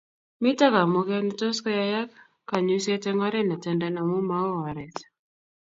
mito kamugeet netos koyayak kanyuiset eng oret netenden amu maoo oret